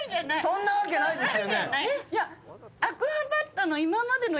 そんなわけないです！